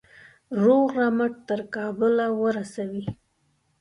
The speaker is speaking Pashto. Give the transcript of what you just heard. روغ رمټ تر کابله ورسوي.